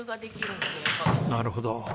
なるほど。